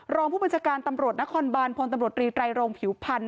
รองผู้บัญชาการตำรวจนครบานพลตำรวจรีไตรโรงผิวพันธ